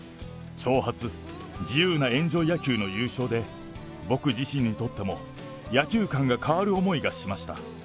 長髪、自由なエンジョイ野球の優勝で、僕自身にとっても、野球観が変わる思いがしました。